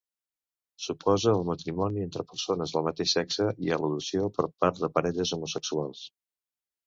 S'oposa al matrimoni entre persones del mateix sexe i a l'adopció per part de parelles homosexuals.